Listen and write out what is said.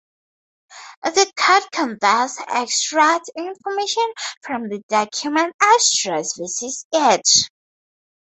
The code can thus extract information from the document as it traverses it.